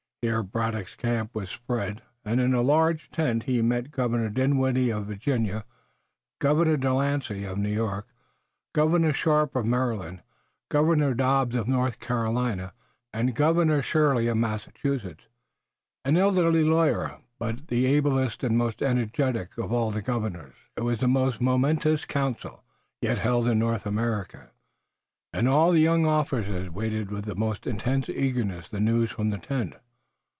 Here Braddock's camp was spread, and in a large tent he met Governor Dinwiddie of Virginia, Governor de Lancey of New York, Governor Sharpe of Maryland, Governor Dobbs of North Carolina and Governor Shirley of Massachusetts, an elderly lawyer, but the ablest and most energetic of all the governors. It was the most momentous council yet held in North America, and all the young officers waited with the most intense eagerness the news from the tent.